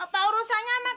apa urusannya emak